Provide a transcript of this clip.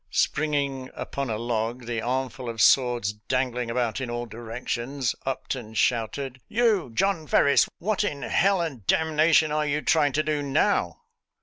Spring ing upon a log, the armful of swords dangling about in all directions, Upton shouted, "You John Ferris ! What in h and d are you trying to do now?